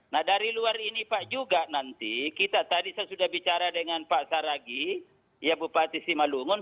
nah dari luar ini pak juga nanti kita tadi saya sudah bicara dengan pak saragi ya bupati simalungun